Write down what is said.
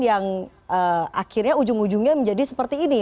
yang akhirnya ujung ujungnya menjadi seperti ini